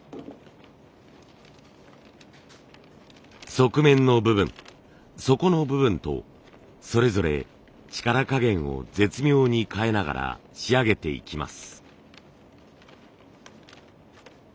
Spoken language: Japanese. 側面の部分底の部分とそれぞれ力加減を絶妙に変えながら仕上げていきます。